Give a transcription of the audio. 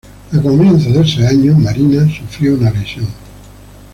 A comienzos de ese año, Marina sufrió una lesión.